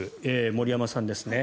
森山さんですね。